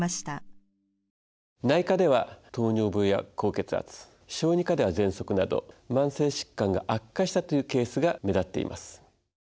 内科では糖尿病や高血圧小児科ではぜんそくなど慢性疾患が悪化したというケースが目立っています。